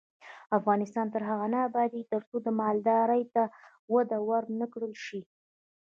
افغانستان تر هغو نه ابادیږي، ترڅو مالدارۍ ته وده ورنکړل شي.